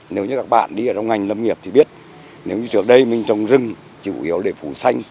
nếu như các bạn đi trong ngành lâm nghiệp thì biết nếu như trước đây mình trồng rừng chủ yếu để phù sanh